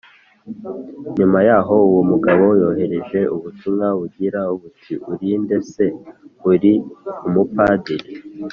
Nyuma yaho uwo mugabo yohereje ubutumwa bugira buti uri nde Ese uri umupadiri